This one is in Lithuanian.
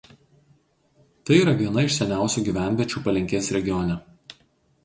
Tai yra viena iš seniausių gyvenviečių Palenkės regione.